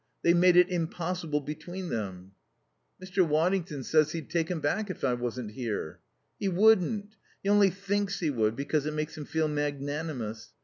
They've made it impossible between them." "Mr. Waddington says he'd take him back if I wasn't here." "He wouldn't. He only thinks he would, because it makes him feel magnanimous.